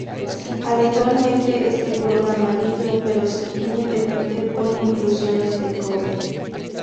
Habitualmente es de color amarillo, pero se tiñe de verde por inclusiones de cobre.